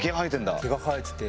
毛が生えてて。